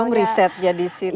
belum risetnya di situ